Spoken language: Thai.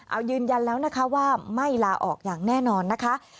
เอายืนยันแล้วนะคะว่าไม่ลาออกอย่างแน่นอนนะคะ